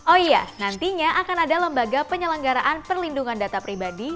oh iya nantinya akan ada lembaga penyelenggaraan perlindungan data pribadi